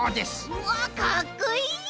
わかっこいい！